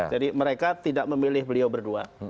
jadi mereka tidak memilih beliau berdua